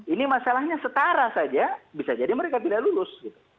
ini masalahnya setara saja bisa jadi mereka tidak lulus